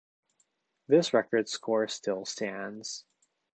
This record score still stands.